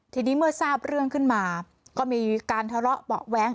ทีนี้เมื่อทราบเรื่องขึ้นมาก็มีการทะเลาะเบาะแว้ง